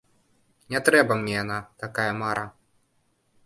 Не трэба мне яна, такая мара.